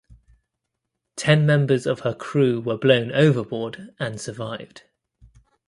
Ten members of her crew were blown overboard and survived.